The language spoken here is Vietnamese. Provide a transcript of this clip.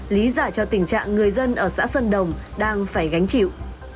lý giải cho tình trạng người dân ở xã sơn đồng đang phải gánh chịu